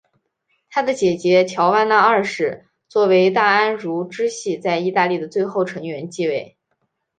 他的姐姐乔万娜二世作为大安茹支系在意大利的最后成员继位。